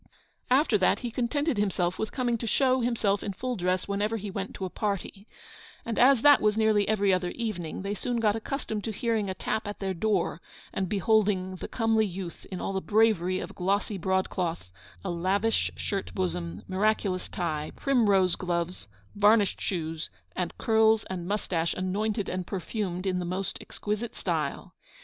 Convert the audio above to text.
After that he contented himself with coming to show himself in full dress whenever he went to a party; and, as that was nearly every other evening, they soon got accustomed to hearing a tap at their door, and beholding the comely youth in all the bravery of glossy broadcloth, a lavish shirt bosom, miraculous tie, primrose gloves, varnished shoes, and curls and moustache anointed and perfumed in the most exquisite style.